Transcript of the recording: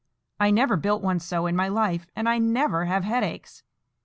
I never built one so in my life, and I never have headaches.